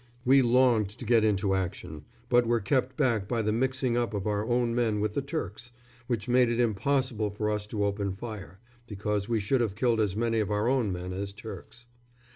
We longed to get into action, but were kept back by the mixing up of our own men with the Turks, which made it impossible for us to open fire, because we should have killed as many of our own men as Turks.